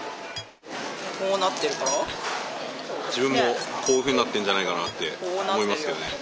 自分もこういうふうになってるんじゃないかなって。